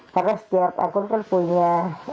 karena setiap akun kan punya